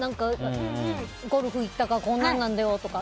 ゴルフ行ったからこんなんなんだよとか。